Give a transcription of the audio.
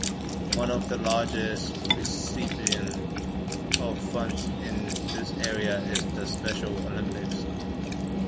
One of the largest recipients of funds in this area is the Special Olympics.